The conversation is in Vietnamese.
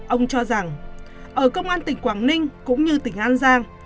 ông cho rằng ở công an tỉnh quảng ninh cũng như tỉnh an giang